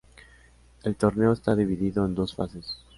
El torneo esta dividido en dos fases.